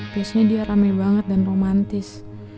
biasanya dia rame banget dan romantis